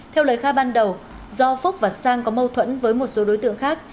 theo lời khai ban đầu do phúc và sang có mâu thuẫn với một số đối tượng khác